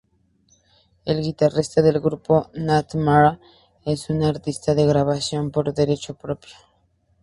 El guitarrista del grupo, Nat Mara era un artista de grabación por derecho propio.